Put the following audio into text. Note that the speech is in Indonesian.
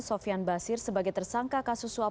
sofian basir sebagai tersangka kasus suap